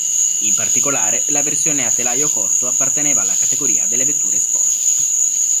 In particolare, la versione a telaio corto apparteneva alla categoria delle vetture sport.